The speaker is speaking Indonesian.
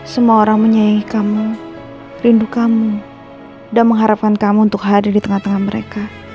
semua orang menyayangi kamu rindu kamu dan mengharapkan kamu untuk hadir di tengah tengah mereka